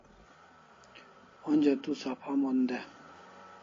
Onja tu sapha mon de